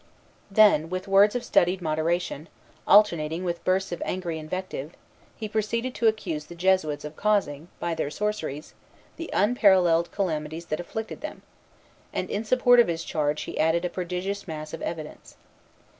Then, with words of studied moderation, alternating with bursts of angry invective, he proceeded to accuse the Jesuits of causing, by their sorceries, the unparalleled calamities that afflicted them; and in support of his charge he adduced a prodigious mass of evidence.